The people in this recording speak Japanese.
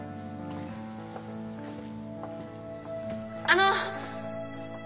あの！